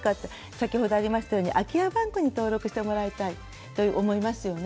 先ほどあったように空き家バンク登録してもらいたいと、思いますよね。